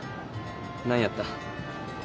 何やった。